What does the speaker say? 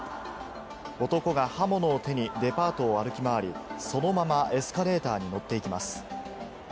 男が刃物を手にデパートを歩き回り、そのままエスカレーターに乗っていきます。